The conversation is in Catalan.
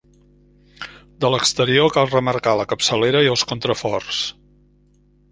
De l'exterior cal remarcar la capçalera i els contraforts.